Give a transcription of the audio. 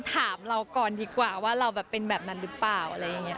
ถามเราก่อนดีกว่าว่าเราแบบเป็นแบบนั้นหรือเปล่าอะไรอย่างนี้